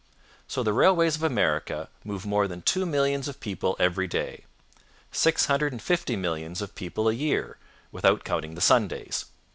So the railways of America move more than two millions of people every day; six hundred and fifty millions of people a year, without counting the Sundays.